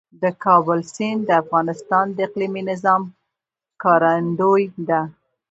د کابل سیند د افغانستان د اقلیمي نظام ښکارندوی ده.